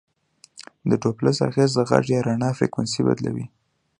د ډوپلر اغېز د غږ یا رڼا فریکونسي بدلوي.